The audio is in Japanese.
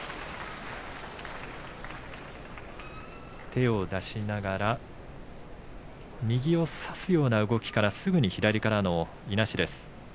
手を出しながら右を差すような動きからすぐに左からのいなしです。